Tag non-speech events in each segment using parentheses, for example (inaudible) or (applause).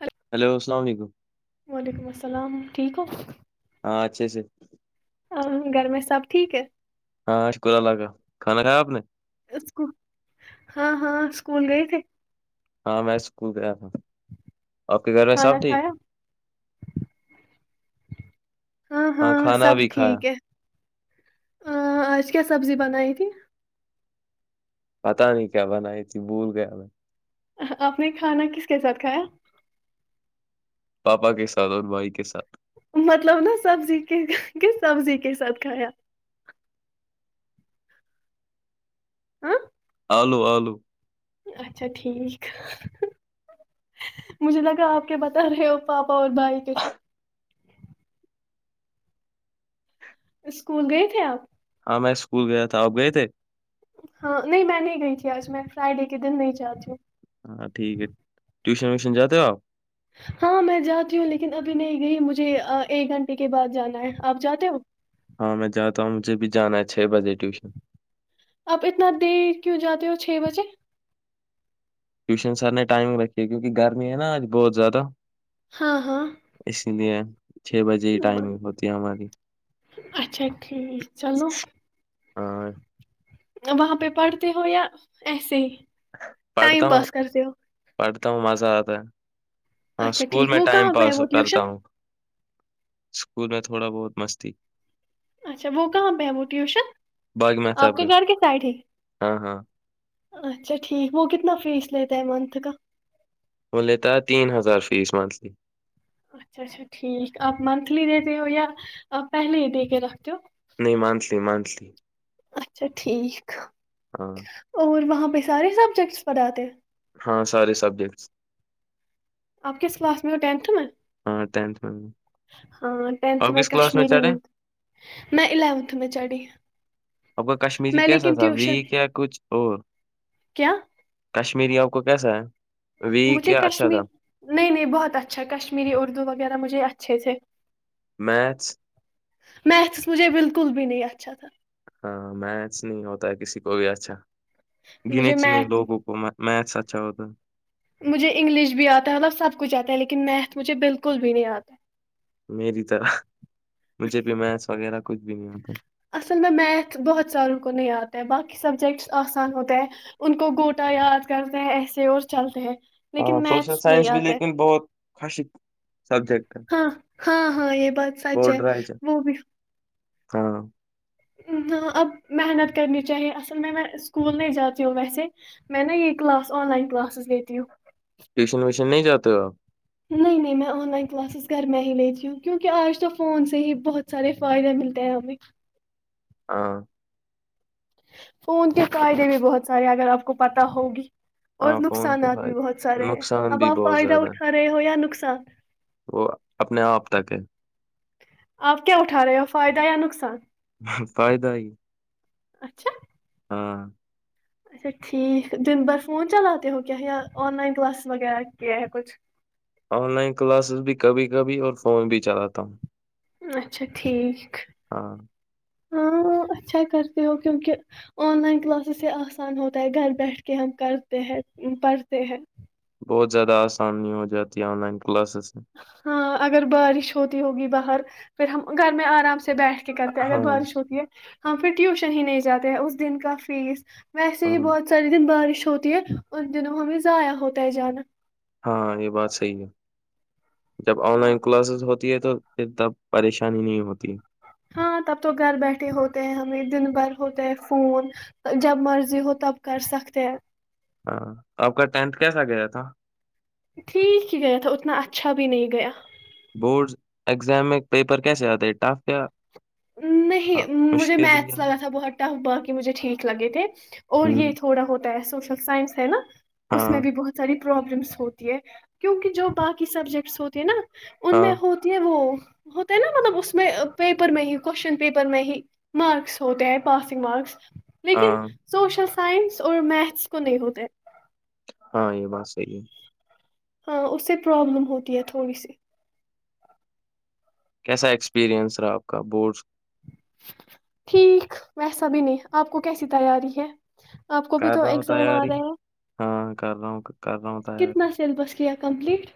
لو hello السلام علیکم وعلیکم السلام ٹھیک ہو ہاں اچھے سے گھر میں سب ٹھیک ہے ہاں شکر اللہ کا کھانا کھایا آپ نے اسک ہاں ہاں اسکول گئے تھے ہاں میں اسکول گیا تھا آپ کے گھر میں کھانا صاب تھی کھایا ہاں کھانا سب بھی کھایا ٹھیک ہے آج کیا سبزی بنائیتی پتا نہیں کیا بنائی تھی بھول گیا میں آپ نے کھانا کس کے ساتھ کھایا پاپا کے ساتھ اور بھائی کے ساتھ مطلب نا سبزی کے کس سبزی کے ساتھ کھایا ہاں آلو آلو اچھا ٹھیک مجھے لگا آپ کے بتا رہے ہو پاپ اور بھائی کیسا اسکول گئے تھے آپ ہاں میں اسکول گیا تھا اب گئے تھے ہاں نہیں میں نہیں گئی تھی آج میں فرائیڈے کے دن نہیں جاتتی ہوں ہاں ٹھیک ہے ٹیوشن ویوشن جاتے ہو آپ ہاں میں جاتی ہوں لیکن ابھی نہیں گئی مجھے ایک گھنٹے کے بعد جانا ہے آپ جاتے ہو ہاں میں جاتا ہوں مجھے بھی جانا ہے چھ بجے ٹیوشن آپ اتنا دیر کیوں جاتے ہو چھ بجے ٹیوشن سر نے ٹائم رکھی کیونکہ گرمی ہے نا آج بہت زیادہ ہاں ہاں اس نے چھ بجے ہی ٹائمگ ہوتی ہے ہماری۔ اچھا ٹھیک چلو۔ ہاں۔ وہاں پہ پڑھتے ہو یا ایسے ہی؟ پڑھتا ٹائم ہوں پاس کرتے ہو؟ پڑھتا ہوں مزہ اتا ہے۔ ہاں اچھا اسکول ٹھیک میں وہ ٹائم کہاں پہ ہے پاس وہ کرتا ٹیوشن ہوں۔ اسکول میں تھوڑا بہت مستی۔ اچھا وہ کہاں پہ ہے وہ ٹیوشن؟ باغ آپ محتاب کے گھر کے سائڈ ہی؟ ہاں ہاں اچھا ٹھیک۔ وہ کتنا فیس لیتا ہے منتھ کا؟ وہ لیتا ہے تین ہزار فیس منتھلی۔ اچھا اچھا ٹھیک۔ آپ منتھلی دیتے ہو یا آپ پہلے ہی دے کے رکھتے ہو؟ نہیں۔ Monthly monthly. اچھا ٹھیک۔ اور وہاں پر۔۔ سارے سبجیکٹس پڑھاتے ہیں؟ ہاں سارے سبجیکٹس۔ آپ کس کلاس میں وہ؟ ٹینتھ میں؟ ہاں ٹینتھ میں۔ ہاں ٹینتھ آپ میں کس کلاس کشمیری چڑھے نہیں میں الیونتھ میں چڑھی۔ آپ کا کشمیری میں کیسا لیکن تھا ٹٹیوشن۔۔۔ ویک یا کچھ اور؟ کیا؟ کشمیری آپ کو کیسا ہے؟ ویک مجھے یا اچھا تھا کشمیری نہیں نہیں بہت اچھا کشمیری اردو وغیرہ مجھے اچ۔۔۔ اچھے تھے۔ میتھس؟ میتھس مجھ بالکل بھی نہیں اچھا تھا۔ ہاں میتھس نہیں ہوتا ہے کسی کو بھی اچھا۔ گنے مجھے چنے میتھ لوگوں کو مت۔۔۔ میتھس اچھا ہوتا۔ مجھے انگلش بھی آتا ہے۔ مطلب سب کچھ آتا ہے۔ لیکن میتھ مجھے بالکل بھی نہیں آتا ہے۔ میری طرح۔ مجھے بھی میتھس وغیرہ کچھ۔۔۔ ج نہیں آ تھا اصل میں میتھ بہت ساروں کو نہیں آتا ہے باقی سبجیکٹس آسان ہوتے ہیں ان کو گوٹا یاد کرتے ہیں ایسے اور چلتے ہیں ہاں لیکن سوشل میتھس نہیں سائنس بھی آتے لیکن بہت خوشی سبجیکٹ ہے ہاں ہاں ہاں یہ بات سچ ہے بورڈ رائج وہ بھی ہاں ن اب محنت کرنی چاہیے اصل میں میں اسکول نہیں جاتی ہوں ویسے میں نا یہ کلاس آن لائن کلاسز دیتی ہوں ٹیوشن ویوشن نہیں جاتے ہو آپ نہیں نہیں میں آن لائن کلاسز گھر میں ہی لیتی ہوں کیونکہ آج تو فون سے ہی بہت سارے فائدے ملتے ہیں ہمیں ہاں تو ان کے قائدے بھی بہت سارے اگر آپ کو پتا ہوگی اور ہاں فون کے نقصانات بھی بہت سارے فائدے ہیں نقصان اب بھی آپ بہت فائدہ زیادہ اٹھا ہے رہے ہو یا نقصان وہ اپنے آپ تک ہے آپ کیا اٹھا رہے ہو فائدہ یا نقصان فائدہ ہی اچھا ہاں اچھا ٹھیک دن بار فون چلاتے ہو کیا یا آن لائن کلاسز وغیرہ کیا ہے کچھ آن لائن کلاسز بھی کبھی کبھی اور فون بھی چلاتا ہوں اچھا ٹھیک ہاں ہاں اچھا کرتے ہو کیونکہ آن لائن کلاسز ہی آسان ہوتا ہے گھر بیٹھ کے ہم کرتے ہیں پڑھتے ہیں بہت زیادہ آسانی ہو جاتی ہے آن لائن کلاسز سے ہاں اگر بارش ہوتی ہوگی باہر پھر ہم گھر میں آرام سے بیٹھ کے کرتے ہیں ہاں اگر بارش ہوتی ہے تو ہاں پھر ٹیوشن ہی نہیں جاتے ہیں اس دن کا فیس ویسے ہی ہاں بہت سارے دن بارش ہوتی ہے ان دنوں ہمیں ضائع ہوتا ہے جانا ہاں یہ بات صحی ہے جب آن ہاں لائن کلاسز ہوتی ہے تو پھر تب پریشانی نہیں ہوتی ہاں تب تو گھر بیٹھے ہوتے ہیں ہمیں دن بھر ہوتے ہیں فون جب مرضی ہو تب کر سکتے ہیں ہاں آپ کا ٹینتھ کیسا گیا تھا ٹھیک ہی گیا تھا اتنا اچھا بھی نہیں گیا بورڈ اگزام میں پیپر کیسے آتے ہے ٹف کیا ہاں نہیں مجھے مشکل ہی ہے میتھس یار۔ لگا تھا بہت ٹف باقی مجھے ٹھیک لگے تھے اور یہ ہوں تھوڑا ہوتا ہے سو س سائنس ہے ن اس میں ہاں بھی بہت ساری پرابلمس ہوتی ہے کیونکہ جو باقی سبجیکٹس ہوتے ہیں نا ان میں ہاں ہوتی ہے وہ ہوتا ہے نا مطلب اس میں پیپر میں ہی کوشچن پیپر میں ہی مارکس ہوتے ہیں پاسنگ مارکس لیکن ہاں سوش سائنس اور میتھس کو نہیں ہوتے ہاں یہ بات صحی ہے ہاں اس سے پروابلم ہوتی ہے تھوڑی سی کیسا ایکسپیریئنس رہا آپ کا بورڈ ٹھیک ویسا بھی نہیں آپ کو کیسی تیاری ہے آپ کو بھی کر تو رہا ہوں ایگزام آ تیاری رہے ہیں ہاں کر رہا ہوں کر رہا ہوں تیاری کتنا سلیبس کیا کمپلیٹ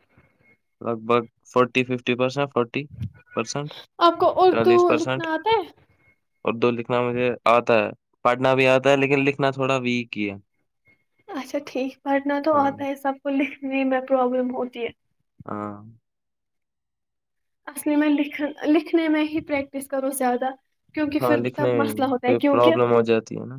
لگ بھگ forty fifty percent forty percent آپ کو اردو لکھنا آتا ہے اردو لکھنا مجھے آتا ہے پڑھنا بھی آتا ہے لیکن لکھنا تھوڑا ویک ہی ہے اچھا ٹھیک پڑھنا تو ہاں آتا ہے سب کو ل میں پروابلم ہوتی ہے ہاں اصلی میں لکھنا لکھنے میں ہی پرییکٹس کرو زیادہ کیونکہ ہاں پھر تب لکھنے میں مسئلہ ہی ہوتا ہے پھر کیونکہ پرابلم ہو جاتی ہے نا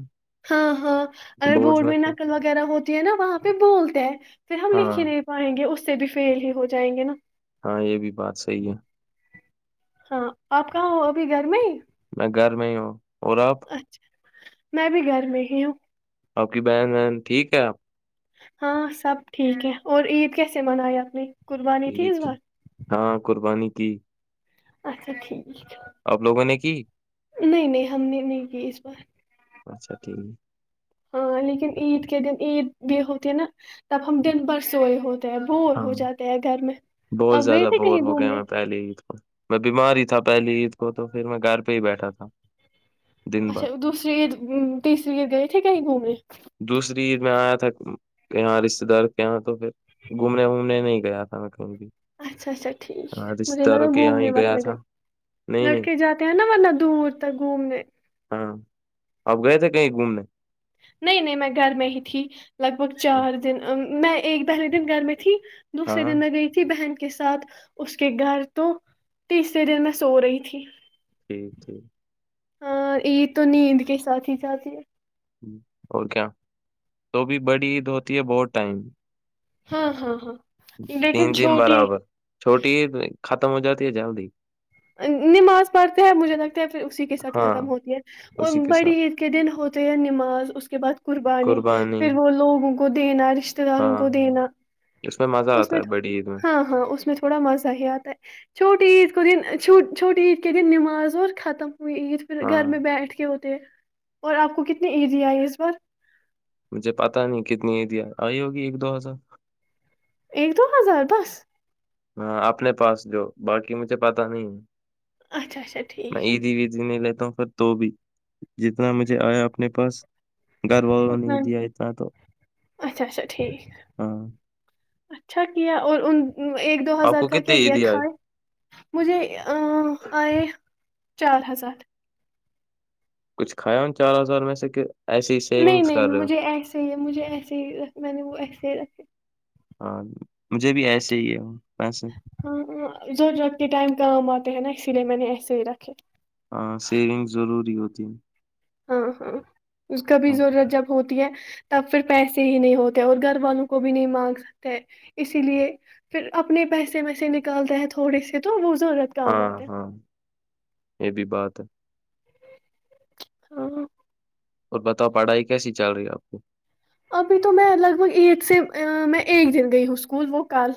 ہاں ہاں اگر بورڈز بورڈ میں تو نقل وغیرہ ہو جو نا وہاں پہ بولتے ہیں پھر ہم لکھ ہاں ہی نہیں پائیں گے اس سے بھی فیل ہی ہو جائیں گے نا ہاں یہ بھی بات صحیح ہے ہاں آپ کہاں ہو ابھی گھر میں ہی میں گھر میں ہی ہوں اور آپ اچھا میں بھی گھر میں ہی ہوں آپ کی بہن بہن ٹھیک ہے آپ ہاں سب ٹھیک ہے اور عید کیسے منائے اپ نے قربانی تھی عید اس بار ہاں قربانی کی اچھا ٹھیک آپ لوگوں نے کی نہیں نہیں ہم نے نہیں کی اس بار اچھا ٹھیک ہے ہاں لیکن عید کے دن عید بھی ہوتی ہے نا تب ہم دن بھر سو رہے ہوتے ہیں بور ہو ہاں جاتے ہیں گھر میں بہت اب گئے زیادہ تھے بور کہیں ہو گیا گھومنے میں پہلے عید کو میں بیمار ہی تھا پہلی عید کو تو پھر میں گھر پہ ہی بیٹھا تھا دن بھر اچھا دوسری عید تیسری عید گئے تھی کہیں گھومنے دوسری عید میں آیا تھا یہاں رشتے دار کے یہاں تو پھر گھومنے وومنے نہیں گیا تھا میں کہیں بھی اچھا اچھا ٹھیک ہاں مجھے رشتے نگا داروں کے یہاں گھومنے ہی متن گیا تھا گئے نہیں نہیں لڑکے جاتے ہیں نا ورنہ دور تک گھومنے ہاں آپ گئے تھے کہیں گھومنے نہیں نہیں میں گھر میں ہی تھی لگ بھگ چار دن میں ایک پہلے دن گھر میں تھی دوسرے ہاں دن میں گئی تھی بہن کے کے ساتھ اس کے گھر تو تیسرے دن میں سو رہی تھی ٹھیک ٹھیک ہاں عید تو نیند کے ساتھ ہی جاتی ہے اور کیا تو بھی بڑی عید ہوتی ہے بہت ٹائم ہاں ہاں ہاں تین لیکن تین چھوٹی برابر چھوٹی ختم ہو جاتی ہے جلد ہی نماز پڑھتے ہیں مجھے لگ پھر اسی کے ساتھ ہاں ختم ہوتی ہے اسی اور کے بڑی ساتھ عید کے دن ہوتے ہیں نماز اس کے بعد قربانی پھر وہ لوگوں کو دینا رشتے داروں ہاں کو ہاں دینا اس میں مزہ اس آتا میں ہے بڑی عید میں ہاں ہاں اس میں تھوڑا مزہ ہی آتا ہے چھوٹی عید کوئی چوٹ چوٹٹی عید کیاہ گی نماز اور ختم عید پھر ہاں گھر میں بیٹھ کے ہو اور آپ کو کتنی عیدی آئی اس بار مجھے پتا نہیں کتنی ہی دیا آئی ہوگی ایک دو ہزا ایک دو ہزار دس ہاں اپنے پاس جو باقی مجھے پتا نہیں اچھا اچھا میں ٹھیک اییدھی ودھی نہیں لتا ہ پر تو بھی جتنا مجھے آیا اپنے پاس گھر والوں نہیں اتنا دیا اتنا تو اچھا اچھا ٹھیک ہاں اچھا کیا اور ان ایک دو آپ ہزار کو کا کیا کتنی کیا عیدی آئی کائے مجھے آئے چار ہزار کچھ کھایاوں چار ہزار میں سے کہ ایسے ہی نہیں سیونگس نہیں کر رہے ہو مجھے ایسے ہی مجھے ایسے ہی میں نے وہ ایسے ہی رکھے ہاں مجھے بھی ایسے ہی ہے ہ ہاں جوور رگتی ٹائم کام آ ہیں نا اسی لیے میں نے ایسے ہی رکھے ہاں سیونگ ضروری ہوتی ہیں ہاں ہاں اس کا بھی ضرورت جب ہوتی ہے تب پھر پیسے ہی نہیں ہوتے اور گھر والوں کو بھی نہیں مانگ سکتے اسی لیے پھر اپنے پیسے میں سے نکالتے ہیں تھوڑے سے تو وہ ضرورت کام ہاں آتے ہیں ہاں یہ بھی بات ہے ہاں اور بتاؤ پڑھائی کیسی چل رہی ہے آپ کو ابھی تو میں لگ بھگ ایٹ سے میں ایک دن گئی ہوں اسکول وہ کل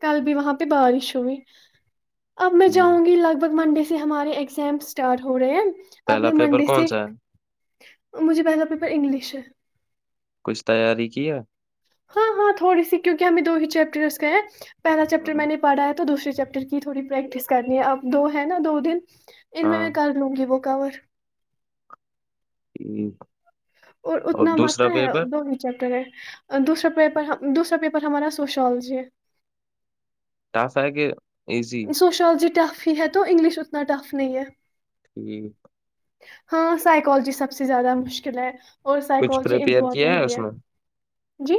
کل بھی وہاں پہ بارش ہوئی اب میں جاں ہوں، گی لگ بھگ منڈے سے ہمارے ایک ایگزام اسٹارٹ ہو رہے ہیں آپ پہلا نے پیپر منڈی سے کون سا ہے مجھے پہلا پیپر انگلش ہے کچھ تیاری کیا ہاں ہاں تھوڑی سی کیونکہ ہمیں دو ہی چیپٹرس کا ہے پہلا چیپٹر ہاں میں نے پڑا ہے تو دوسری چیپٹر کی تھوڑی پریکٹس کرنی ہے اب دو ہے نا دو دن ان میں ہاں، میں کر لوں گی وہ کور (inaudible) اور اتنا مت دوسرا ہے پیپر دون ہی چیپٹر ہے دوسرا پ دوسرا پیپر ہمارا سوشالوجی ہے ٹاسا ہے کہ ایزی سوشالوجی ٹف ہی ہے تو انگلش نہ ٹف نہیں ہے ٹھیک ہاں سائیکالوجی سب سے زیادہ مشکل ہے اور کچھ سائیکالوجی پریپیئر کیا امپورٹنٹ بھی ہے جی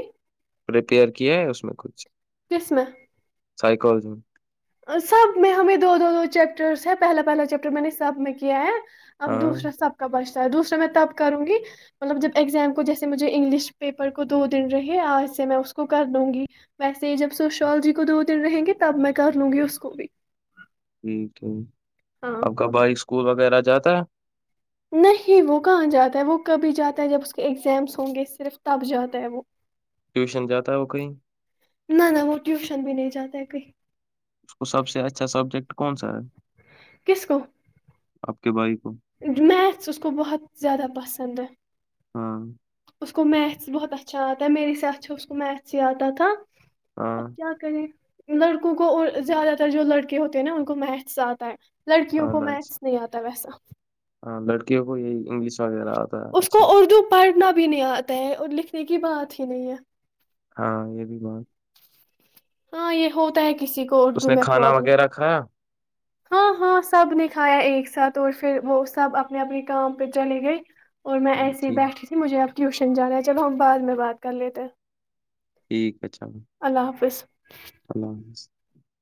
پپیئر کیا ہے اس میں کچھ قسمہ سائیکالجی سب میں ہمیں دو دو دو چیپٹرس ہے پہلا پہلا چیپٹر میں نے سب میں کیا ہے اب ہاں دوسرا سب کا بچ دوسرا میں تب کروں گی مطلب جب ایگزام کو جیسے مجھے انگلش پیپر کو دو دن رہے آج سے میں اس کو کر لوں گی ویسے جب سوشولوجی کو دو دن رہیں گی تب میں کر لوں گی اس کو بھی ہ تو ہاں آپ کا بھائی اسکول وغیرہ جاتا نہیں وہ کہاں جاتا ہے وہ کبھی جاتا ہے جب اس کے ایگزامس ہوں گے صرف تب جاتا ہے وہ ٹیوشن جاتا ہے وہ کہیں اس نہ نہ وہ ٹیوشن بھی نہیں جات ایک اس کو سب سے اچھا سبجیکٹ کون سا ہے کس کو آپ کے بھائی کو کو بہت زیادہ پسند سندہ ہاں اس کو میتھس بہت اچھا آتا ہے میرے ساتھ اس کو میتھ ہی آتا تھا اب ہاں کیا کریں لڑکوں کو اور زیادہ تر جو لڑکے ہوتے ہیں نا ان کو میتس آتا ہے لڑکیوں کو میتھس نہیں آتا ویسے ہاں لڑکیوں (inaudible) آتا ہے اس کو اچھا اردو پڑھنا بھی نہیں آتا ہے اور لکھنے کی کی بات ہی نہیں ہے ہاں یہ بھی بات ہاں یہ ہوتا ہے کہ اس نے کھانا وغیرہ کھایا ہاں ہاں سب نے کھایا ایک ساتھ اور پھر وہ سب اپنے اپنے کام پہ چلے گئے اور میں ایسے ہی ٹھیک بیٹھی تھی مجھے اب ٹیوشن جانا ہے چلو ہم بعد میں بات کر لیتے ہیں ٹھیک ہے چلو اللہ حافظ اللہ حافظ (inaudible)